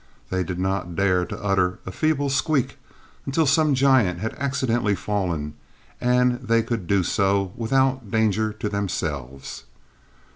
They did not dare to utter a feeble squeak until some giant had accidentally fallen and they could do so without danger to themselves.